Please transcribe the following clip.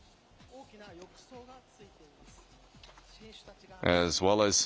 大きな浴槽がついています。